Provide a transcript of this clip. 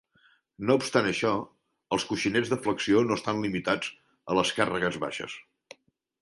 No obstant això, els coixinets de flexió no estan limitats a les càrregues baixes.